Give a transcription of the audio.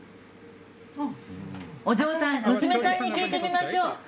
お嬢さん、娘さんに聞いてみましょう。